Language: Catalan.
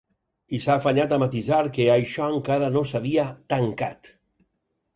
I s’ha afanyat a matisar que això encara no s’havia ‘tancat’.